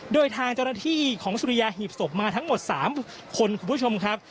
โดยทางเจ้าหน้าที่ของสุริยาหีบศพมาทั้งหมด๓คนคุณผู้ชมครับ